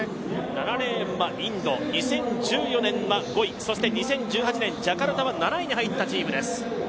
７レーンはインド、２０１４年は５位、そして２０１８年ジャカルタは７位に入ったチームです。